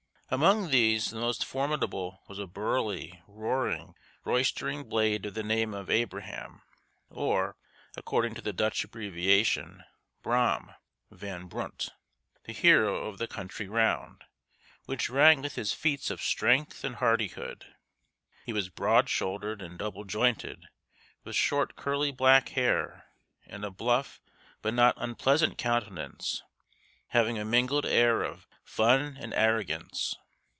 Among these the most formidable was a burly, roaring, roistering blade of the name of Abraham or, according to the Dutch abbreviation, Brom Van Brunt, the hero of the country round, which rang with his feats of strength and hardihood. He was broad shouldered and double jointed, with short curly black hair and a bluff but not unpleasant countenance, having a mingled air of fun and arrogance.